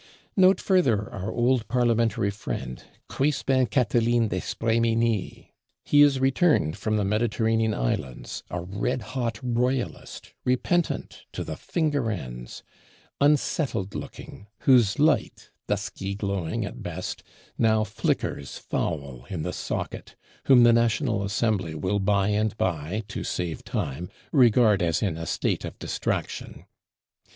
Note further our old parlementary friend, Crispin Catiline d'Espréménil. He is returned from the Mediterranean islands, a red hot royalist, repentant to the finger ends; unsettled looking; whose light, dusky glowing at best, now flickers foul in the socket; whom the National Assembly will by and by, to save time, "regard as in a state of distraction."